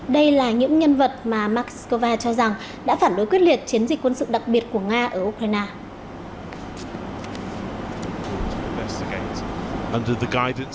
đây là những nhân vật mà moscow cho rằng đã phản đối quyết liệt chiến dịch quân sự đặc biệt của nga ở ukraine